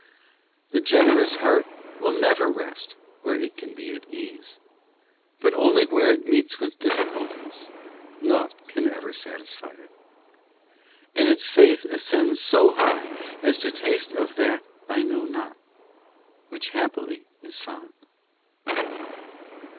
II The generous heart Will never rest Where it can be at ease, But only where it meets with difficulties Nought can ever satisfy it ; And its faith ascends so high As to taste of that I know not, Which happily is found.